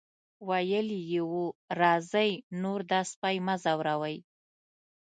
ویلي یې وو راځئ نور دا سپی مه ځوروئ.